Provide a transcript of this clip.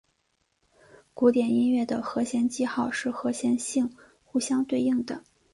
古典音乐的和弦记号是和调性互相对应的。